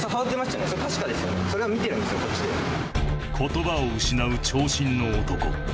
言葉を失う長身の男